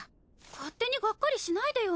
勝手にがっかりしないでよ。